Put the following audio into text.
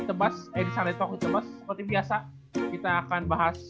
tebas eh di sana kita tebas seperti biasa kita akan bahas